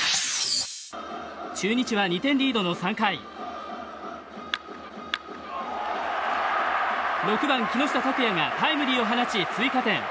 中日は２点リードの３回６番、木下拓哉がタイムリーを放ち追加点。